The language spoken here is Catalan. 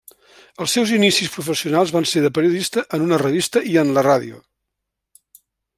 Els seus inicis professionals van ser de periodista en una revista i en la ràdio.